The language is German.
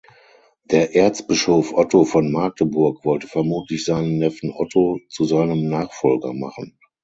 Der Erzbischof Otto von Magdeburg wollte vermutlich seinen Neffen Otto zu seinem Nachfolger machen.